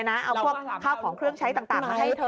เอาพวกข้าวของเครื่องใช้ต่างมาให้เธอ